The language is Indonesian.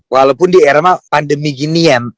walaupun di era pandemi gini ya